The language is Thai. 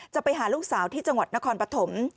ไปหาลูกสาวที่จังหวัดนครปฐม